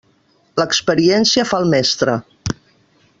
L'experiència fa el mestre.